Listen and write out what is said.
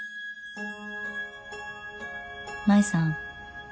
舞さん？